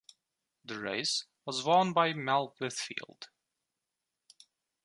The race was won by Mal Whitfield.